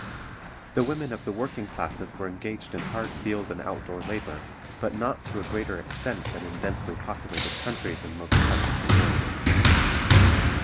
The women of the working classes were engaged in hard field and out door labor, but not to a greater extent than in densely populated countries in most parts of the world.